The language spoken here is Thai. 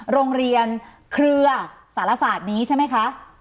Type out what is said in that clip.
โรงเรียนเครือสารศาสตร์นี้ใช่ไหมคะ